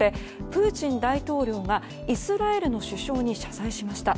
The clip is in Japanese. プーチン大統領がイスラエルの首相に謝罪しました。